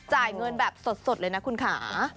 จ่ายเงินแบบสดเลยนะคุณค่ะ